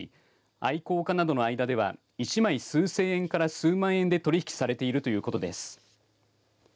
愛好家などの間では１枚、数千円から数万円で取り引きされているということです。